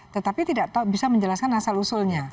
tetapi tidak bisa menjelaskan asal usulnya